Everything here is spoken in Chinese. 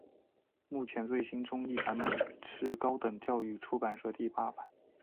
目前最新中译版是高等教育出版社第八版。